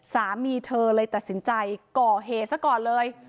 สามีเธอเลยตัดสินใจก่อเหตุซะก่อนเลย